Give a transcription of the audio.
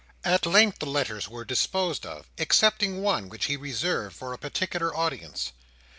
At length the letters were disposed of, excepting one which he reserved for a particular audience.